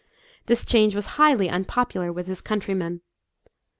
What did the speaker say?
This change was highly unpopular with his countrymen.